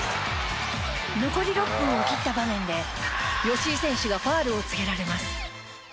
残り６分を切った場面で吉井選手がファウルをつけられます。